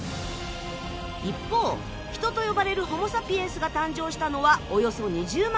一方人と呼ばれるホモサピエンスが誕生したのはおよそ２０万年前。